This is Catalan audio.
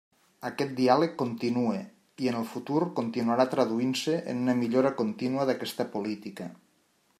Aquest diàleg continua i, en el futur, continuarà traduint-se en una millora contínua d'aquesta política.